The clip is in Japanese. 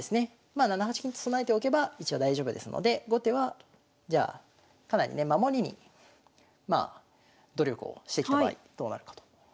まあ７八金と備えておけば一応大丈夫ですので後手はじゃあかなりね守りにまあ努力をしてきた場合どうなるかと。